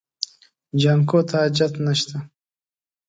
جانکو ته حاجت نشته.